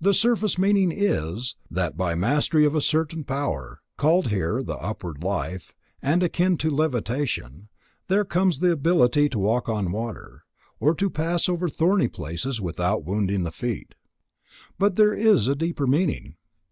The surface meaning is, that by mastery of a certain power, called here the upward life, and akin to levitation, there comes the ability to walk on water, or to pass over thorny places without wounding the feet. But there is a deeper meaning.